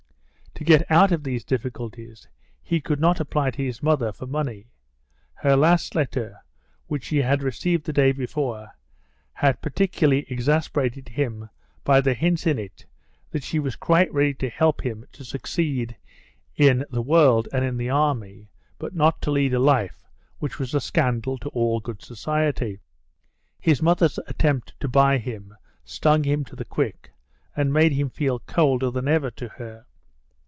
To get out of these difficulties, he could not apply to his mother for money. Her last letter, which he had received the day before, had particularly exasperated him by the hints in it that she was quite ready to help him to succeed in the world and in the army, but not to lead a life which was a scandal to all good society. His mother's attempt to buy him stung him to the quick and made him feel colder than ever to her.